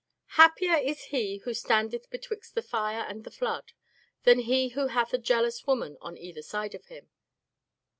Happier is he who standeth betwixt the fire and the flood, than he who hath a jealous woman on either side of him.